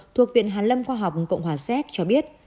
thuộc viện hàn lâm khoa học cộng hòa séc cho biết